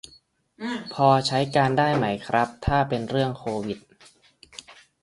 พอใช้การได้ไหมครับ ถ้าเป็นเรื่องโควิด